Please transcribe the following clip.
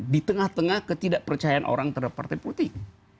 di tengah tengah ketidakpercayaan orang terhadap partai politik